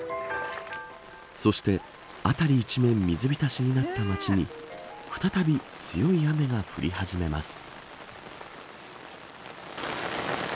そして辺り一面水浸しになった町に再び強い雨が降り始めます。